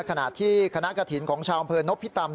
ขณะที่คณะกระถิ่นของชาวอำเภอนพิตำ